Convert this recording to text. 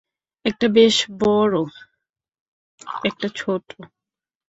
একটা বেশ বড়, একটা ছোট।